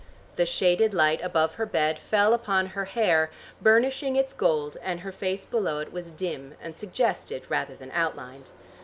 The shaded light above her bed fell upon her hair, burnishing its gold, and her face below it was dim and suggested rather than outlined.